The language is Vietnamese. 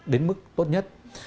đến mức tốt nhất